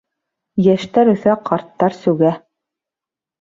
Йәштәр үҫә, ҡарттар сүгә.